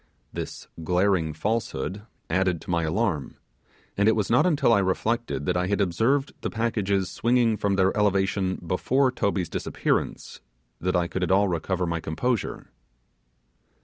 This glaring falsehood added to my alarm, and it was not until I reflected that I had observed the packages swinging from their elevation before Toby's disappearance, that I could at all recover my composure.